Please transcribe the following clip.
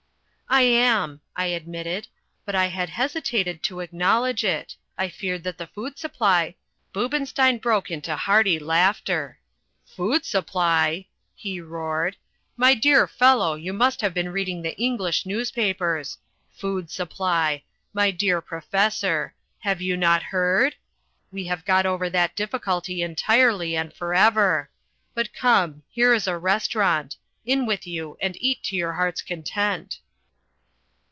"I am," I admitted, "but I had hesitated to acknowledge it. I feared that the food supply " Boobenstein broke into hearty laughter. "Food supply!" he roared. "My dear fellow, you must have been reading the English newspapers! Food supply! My dear professor! Have you not heard? We have got over that difficulty entirely and for ever. But come, here is a restaurant. In with you and eat to your heart's content."